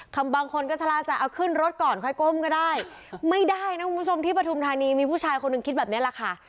บางคนก็ทะล่าจะเอาขึ้นรถก่อนค่อยก้มก็ได้ไม่ได้นะคุณผู้ชมที่ปฐุมธานีมีผู้ชายคนหนึ่งคิดแบบนี้แหละค่ะ